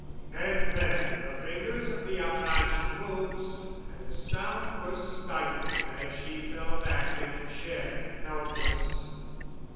And then the fingers of the apache closed and the sound was stifled as she fell back in a chair helpless.